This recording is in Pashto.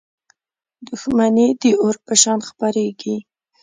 • دښمني د اور په شان خپرېږي.